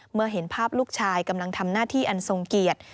เห็นภาพลูกชายกำลังทำหน้าที่อันทรงเกียรติ